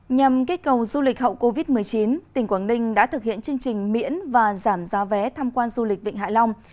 nhằm kích cầu du lịch hậu covid một mươi chín tỉnh quảng ninh đã thực hiện chương trình miễn và giảm giá vé tham quan du lịch vịnh hạ long